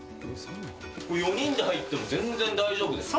これ、４人で入っても全然大丈夫ですね。